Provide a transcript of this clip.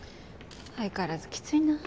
相変わらずきついな。